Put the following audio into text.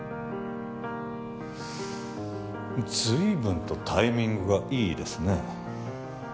ずいぶんとタイミングがいいですね